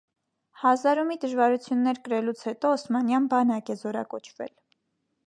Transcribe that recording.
Հազար ու մի դժվարություններ կրելուց հետո օսմանյան բանակ է զորակոչվել։